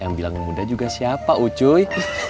yang bilang muda juga siapa ucuy